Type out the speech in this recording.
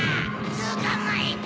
つかまえた！